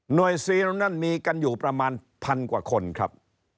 ซีตรงนั้นมีกันอยู่ประมาณพันกว่าคนครับ